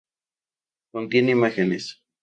Contiene imágenes.